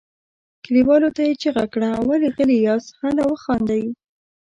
کليوالو ته یې چیغه کړه ولې غلي یاست هله وخاندئ.